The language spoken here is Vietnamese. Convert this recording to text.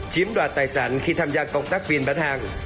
chiếm đoạt tài sản khi tham gia công tác viên bán hàng